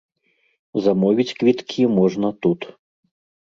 Замовіць квіткі можна тут.